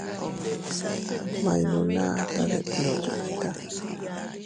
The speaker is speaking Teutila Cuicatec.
Ma iynunata detndoʼo yiʼita.